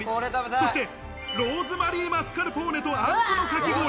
そして、ローズマリーマスカルポーネと杏のかき氷。